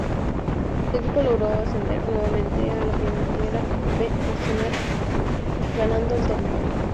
Su equipo logró ascender nuevamente a la Primera B Nacional ganando el torneo.